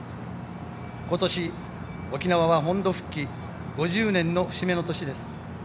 ことし、沖縄は本土復帰５０年の節目の年です。